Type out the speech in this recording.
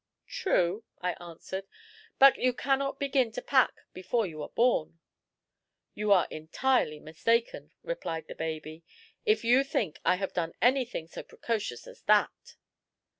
"True," I answered; "but you cannot begin to pack before you are born." "You are entirely mistaken," replied the baby, "if you think I have done anything so precocious as that."